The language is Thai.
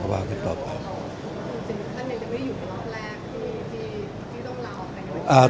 แต่มันไม่ได้อยู่ในล็อตแรก